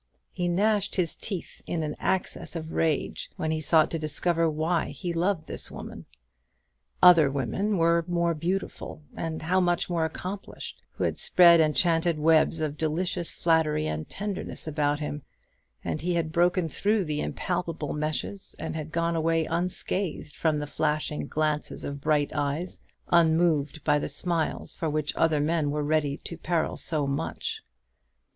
He gnashed his teeth in an access of rage when he sought to discover why he loved this woman. Other women more beautiful, and how much more accomplished, had spread enchanted webs of delicious flattery and tenderness about him; and he had broken through the impalpable meshes, and had gone away unscathed from the flashing glances of bright eyes, unmoved by the smiles for which other men were ready to peril so much.